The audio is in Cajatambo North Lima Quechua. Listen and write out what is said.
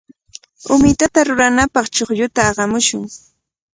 Umitata ruranapaq chuqlluta aqamushun.